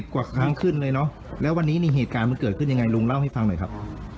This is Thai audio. กว่าครั้งขึ้นเลยเนอะแล้ววันนี้นี่เหตุการณ์มันเกิดขึ้นยังไงลุงเล่าให้ฟังหน่อยครับ